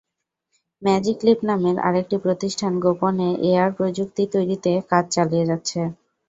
Magic leap নামের আরেকটি প্রতিষ্ঠান গোপনে এআর প্রযুক্তি তৈরিতে কাজ চালিয়ে যাচ্ছে।